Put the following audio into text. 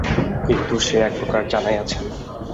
কিন্তু সে একপ্রকার জানাই আছে।